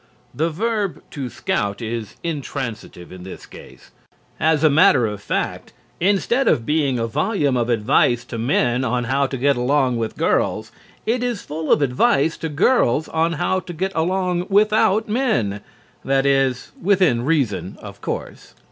The verb "to scout" is intransitive in this case. As a matter of fact, instead of being a volume of advice to men on how to get along with girls, it is full of advice to girls on how to get along without men, that is, within reason, of course.